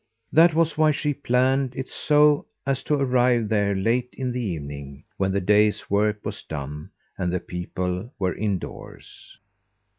That was why she planned it so as to arrive there late in the evening, when the day's work was done and the people were indoors.